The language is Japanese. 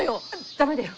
駄目だよ。